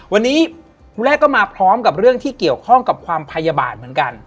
วันนี้แรกก็มาพร้อมกับเรื่องที่เกี่ยวข้องกับความพยาบาลเหมือนกัน